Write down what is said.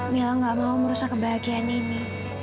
mila tidak mau merusak kebahagiaannya ini